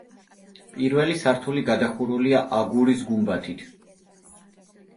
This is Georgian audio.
პირველი სართული გადახურულია აგურის გუმბათით.